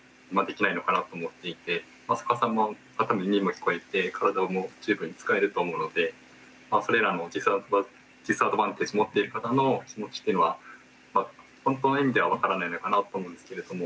浅川さんも耳も聞こえて体も十分に使えると思うのでそれらのディスアドバンテージをもっている方の気持ちっていうのは本当の意味では分からないのかなと思うんですけれども。